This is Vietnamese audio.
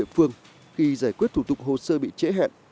phương khi giải quyết thủ tục hồ sơ bị trễ hẹn